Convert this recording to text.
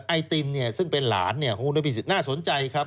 ไอติมซึ่งเป็นหลานของคุณอภิสิตน่าสนใจครับ